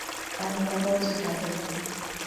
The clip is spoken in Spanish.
A lo largo de su carrera.